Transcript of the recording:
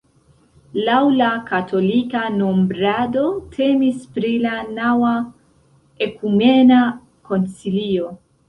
Laŭ la katolika nombrado temis pri la naŭa ekumena koncilio.